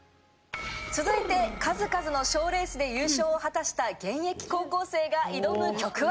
続いて数々の賞レースで優勝を果たした現役高校生が挑む曲は。